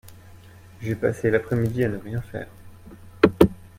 J'ai passé l'après-midi à ne rien faire